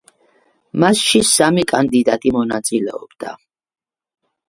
მასში სამი კანდიდატი მონაწილეობდა.